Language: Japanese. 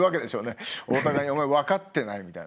お互いに「分かってない」みたいなね